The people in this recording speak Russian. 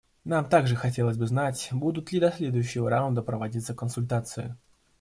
Нам также хотелось бы знать, будут ли до следующего раунда проводиться консультации.